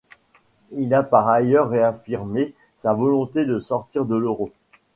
Il a par ailleurs réaffirmé sa volonté de sortir de l’euro.